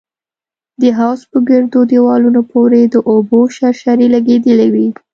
د حوض په ګردو دېوالونو پورې د اوبو شرشرې لگېدلې وې.